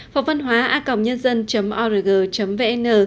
phạm văn hóa a nh org vn